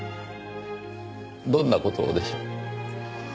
どんな事をでしょう？